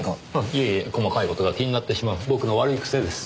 いえいえ細かい事が気になってしまう僕の悪い癖です。